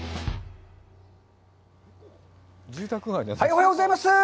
おはようございます。